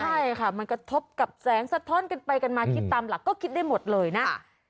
ใช่ค่ะมันกระทบกับแสงสะท้อนกันไปกันมาคิดตามหลักก็คิดได้หมดเลยนะ